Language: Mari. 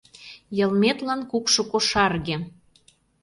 Йылметлан кукшо кошарге!